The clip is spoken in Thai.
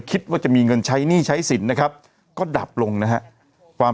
คิดว่าจะมีเงินใช้หนี้ใช้สินนะครับก็ดับลงนะฮะความ